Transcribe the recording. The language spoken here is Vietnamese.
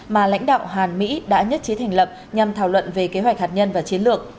mà lãnh đạo hàn mỹ đã nhất trí thành lập nhằm thảo luận về kế hoạch hạt nhân và chiến lược